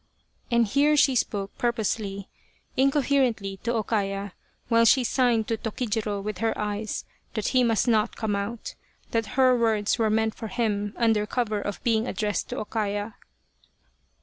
and here she spoke, purposely, incoherently to O Kaya, while she signed to Tokijiro with her eyes that he must not come out that her words were meant for him under cover of being addressed to O Kaya.